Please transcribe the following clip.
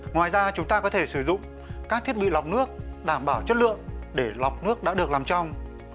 ngoài ra chúng ta có thể sử dụng các thiết bị lọc nước đảm bảo chất lượng để lọc nước đã được làm trong